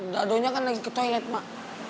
dadonya kan lagi ke toilet pak